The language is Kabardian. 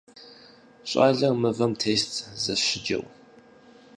Щӏалэр мывэм тест зэщыджэу.